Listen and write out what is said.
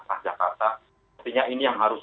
pertama jakarta artinya ini yang harus